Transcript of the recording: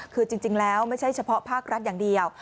คือจริงแล้วไม่ใช่เฉพาะภาครัฐอย่างเดียว